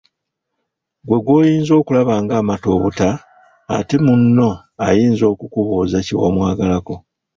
Ggwe gw'oyinza okulaba ng'amata obuta ate munno ayinza okukubuuza kye wamwagalako.